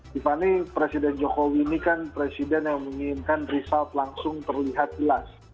di mana presiden jokowi ini kan presiden yang menginginkan riset langsung terlihat jelas